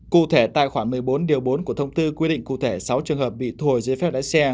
cụ thể tài khoản một mươi bốn điều bốn của thông tư quy định cụ thể sáu trường hợp bị thu hồi giấy phép lái xe